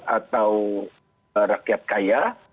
atau rakyat kaya